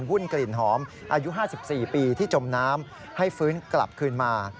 วุ่นกลิ่นหอมอายุ๕๔ปีที่จมน้ำให้ฟื้นกลับคืนมา